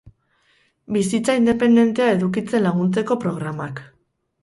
Bizitza independentea edukitzen laguntzeko programak.